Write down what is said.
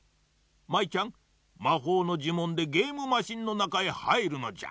舞ちゃんまほうのじゅもんでゲームマシンのなかへはいるのじゃ。